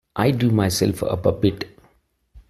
I drew myself up a bit.